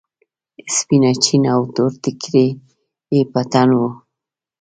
سپينه چپن او تور ټيکری يې په تن و.